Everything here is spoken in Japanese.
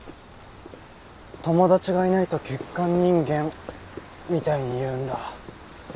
友達がいないと欠陥人間みたいに言うんだうちの親。